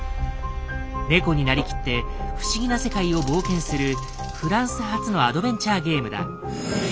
猫になりきって不思議な世界を冒険するフランス発のアドベンチャーゲームだ。